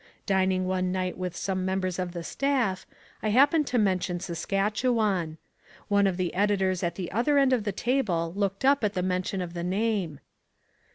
Dining one night with some members of the staff, I happened to mention Saskatchewan. One of the editors at the other end of the table looked up at the mention of the name.